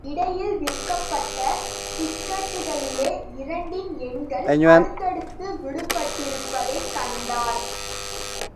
இடையில் விற்கப்பட்ட டிக்கட்டுகளிலே இரண்டின் எண்கள் அடுத்தடுத்து விடுபட்டிருப்பதைக் கண்டார்.